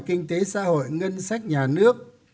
kinh tế xã hội ngân sách nhà nước